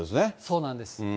そうなんです。